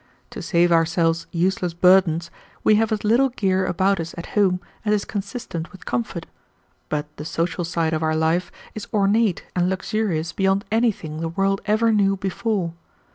To save ourselves useless burdens, we have as little gear about us at home as is consistent with comfort, but the social side of our life is ornate and luxurious beyond anything the world ever knew before.